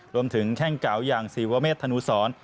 รวมถึงแข่งเก๋าอย่างสีวเวอร์เมธธนูศร